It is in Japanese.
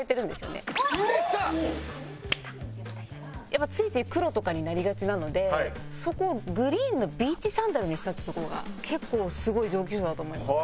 やっぱついつい黒とかになりがちなのでそこをグリーンのビーチサンダルにしたってところが結構すごい上級者だと思います。